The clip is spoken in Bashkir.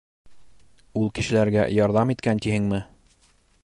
Ул кешеләргә ярҙам иткән тиһеңме?